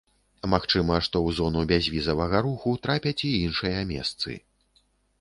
Магчыма, што ў зону бязвізавага руху трапяць і іншыя месцы.